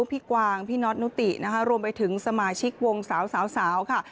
พี่กวางพี่น็อตนุติรวมไปถึงสมาชิกวงสาวค่ะ